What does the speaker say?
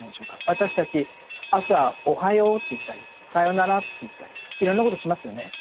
私たち朝おはようと言ったりさよならって言ったりいろんなことしますよね。